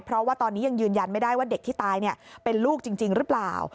เพราะว่าตอนนี้ยังยืนยันไม่ได้ว่าเด็กที่ตายเป็นลูกจริงหรือเปล่า